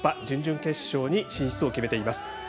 準々決勝に進出を決めています。